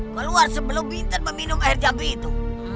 keluar sebelum binten meminum air jambu itu